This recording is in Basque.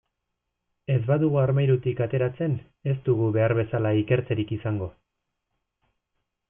Ez badugu armairutik ateratzen, ez dugu behar bezala ikertzerik izango.